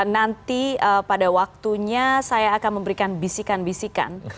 nanti pada waktunya saya akan memberikan bisikan bisikan